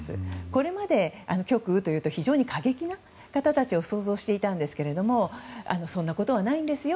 これまで、極右というと非常に過激な方たちを想像していたんですけれどもそんなことはないんですよ。